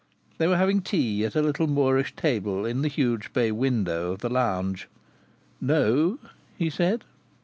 They were having tea at a little Moorish table in the huge bay window of the lounge. "No," he said.